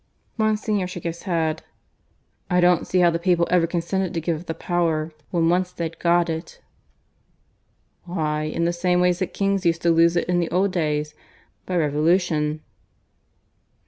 Monsignor shook his head. "I don't see how the people ever consented to give up the power when once they'd got it." "Why, in the same way that kings used to lose it in the old days by revolution."